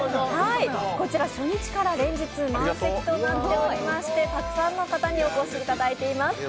こちら、初日から連日満席となっていましてたくさんの方にお越しいただいています。